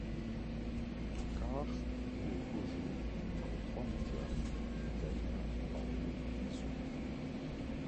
En quarts, il est opposé au numéro trois mondial, l'Italien Paolo Pizzo.